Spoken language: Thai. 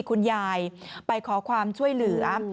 คุณยายไปขอความช่วยเหลือ